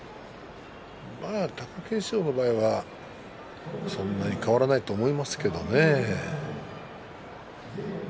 貴景勝の場合はそんなに変わらないと思いますけどね。